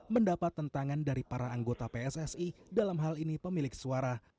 mendapat tentangan dari para anggota pssi dalam hal ini pemilik suara